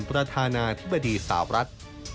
ประธานาธิบดีสาวรัฐ